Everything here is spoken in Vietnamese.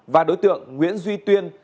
và đối tượng nguyễn duy tuyên